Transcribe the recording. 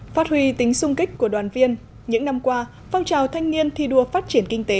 phát huy tính sung kích của đoàn viên những năm qua phong trào thanh niên thi đua phát triển kinh tế